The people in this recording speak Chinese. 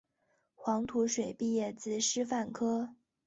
黄土水毕业自师范科